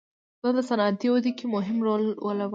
دا د صنعتي وده کې مهم رول ولوباوه.